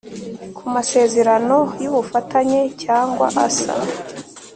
Ku masezerano y ubufatanye cyangwa asa